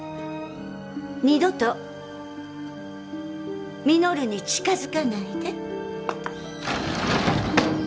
二度と稔に近づかないで。